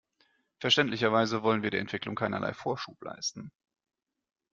Verständlicherweise wollen wir der Entwicklung keinerlei Vorschub leisten.